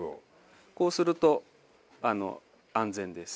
こうすると安全です。